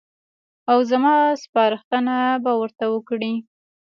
او زما سپارښتنه به ورته وکړي.